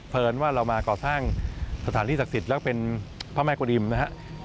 เอิญว่าเรามาก่อสร้างสถานที่ศักดิ์สิทธิ์แล้วเป็นพระแม่กุฎิมนะครับ